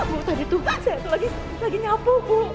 bu tadi tuh saya lagi nyapu bu